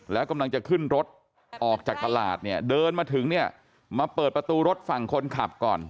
แล้วกำลังจะขึ้นรถออกจากตลาดเนี่ยเดินมาถึงเนี่ยมาเปิดประตูรถฝั่งคนขับก่อน